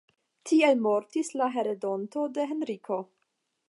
Tiel mortis la heredonto de Henriko.